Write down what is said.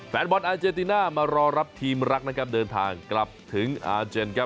แฟนบอตอรเจนติน่ามรอรับทีมรักเดินทางกลับถึงอเจน